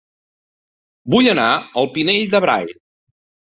Vull anar a El Pinell de Brai